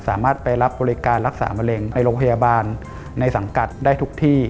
สามารถไปรับบริการรักษามะเร็งในโรงพยาบาลในสังกัดได้ทุกที่